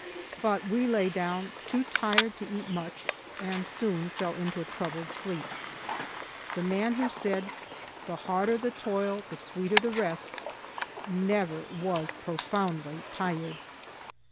But we lay down, too tired to eat much, and soon fell into a troubled sleep. The man who said, "The harder the toil, the sweeter the rest," never was profoundly tired.